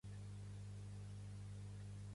Pertany al moviment independentista la Betty?